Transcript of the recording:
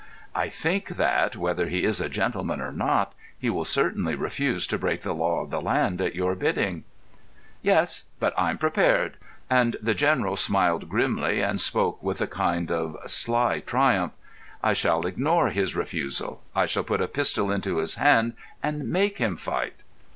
"I think that, whether he is a gentleman or not, he will certainly refuse to break the law of the land at your bidding." "Yes; but I'm prepared." And the General smiled grimly, and spoke with a kind of sly triumph. "I shall ignore his refusal. I shall put a pistol into his hand and make him fight."